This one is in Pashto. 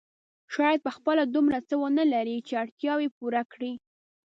شاید په خپله دومره څه ونه لري چې اړتیاوې پوره کړي.